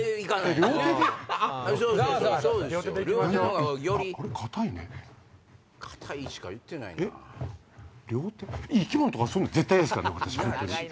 両手生き物とかそういうの絶対嫌ですからね私。